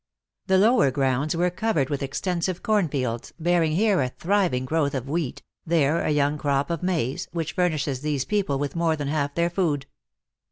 The lower grounds were covered with extensive cornfields, bear ing here a thriving growth of wheat, there a young crop of maize, which furnishes these people with more than half their food.